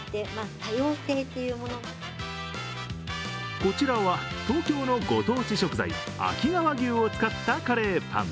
こちらは東京のご当地食材秋川牛を使ったカレーパン。